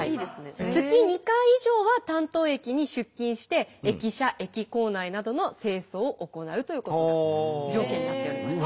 月２回以上は担当駅に出勤して駅舎・駅構内などの清掃を行うということが条件になっております。